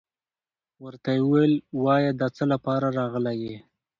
ورته يې ويل وايه دڅه لپاره راغلى يي.